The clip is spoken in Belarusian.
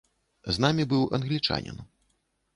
З намі быў англічанін.